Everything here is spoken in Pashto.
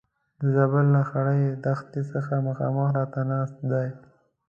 د زابل له خړې دښتې څخه مخامخ راته ناسته ده.